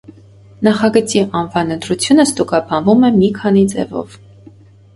Նախագծի անվան ընտրությունը ստուգաբանվում է մի քանի ձևով։